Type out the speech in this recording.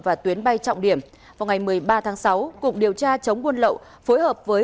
và tuyến bay trọng điểm vào ngày một mươi ba tháng sáu cục điều tra chống buôn lậu phối hợp với